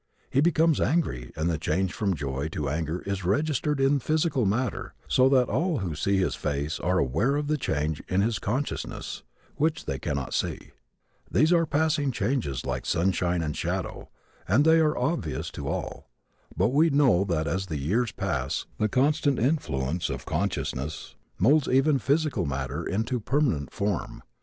He becomes angry, and the change from joy to anger is registered in physical matter so that all who see his face are aware of the change in his consciousness, which they cannot see. These are passing changes like sunshine and shadow and they are obvious to all. But we know that as the years pass the constant influence of consciousness moulds even physical matter into permanent form.